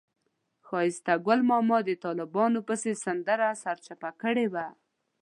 ښایسته ګل ماما د طالبانو پسې سندره سرچپه کړې وه.